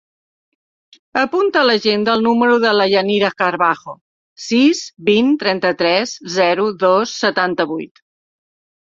Apunta a l'agenda el número de la Yanira Carbajo: sis, vint, trenta-tres, zero, dos, setanta-vuit.